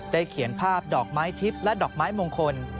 เขียนภาพดอกไม้ทิพย์และดอกไม้มงคล